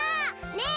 ねえ